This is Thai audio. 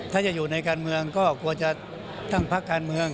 ถ้าจะอยู่ในการเมืองก็ควรจะตั้งพักการเมือง